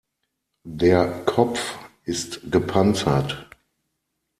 Der Kopf ist gepanzert.